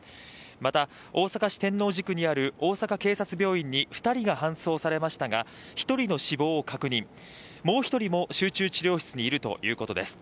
また、大阪市天王寺区にある大阪警察病院に２人が搬送されましたが１人の死亡を確認、もう１人も集中治療室にいるということです。